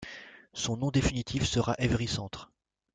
Son nom définitif sera Évry-Centre.